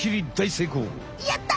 やった！